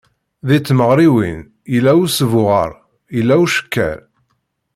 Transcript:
Deg tmeɣriwin, yella usbuɣer, yella ucekker.